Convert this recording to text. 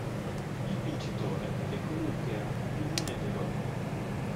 Il vincitore è colui che ha più monete d'oro.